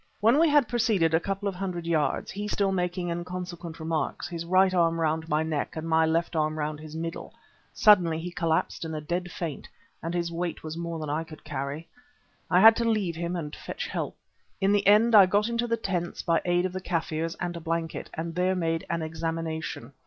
When we had proceeded a couple of hundred yards, he still making inconsequent remarks, his right arm round my neck and my left arm round his middle, suddenly he collapsed in a dead faint, and as his weight was more than I could carry, I had to leave him and fetch help. In the end I got him to the tents by aid of the Kaffirs and a blanket, and there made an examination.